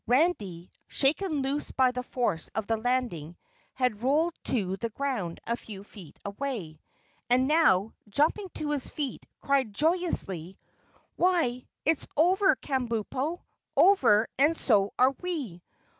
Randy, shaken loose by the force of the landing, had rolled to the ground a few feet away, and now, jumping to his feet, cried joyously: "Why, it's over, Kabumpo over, and so are we!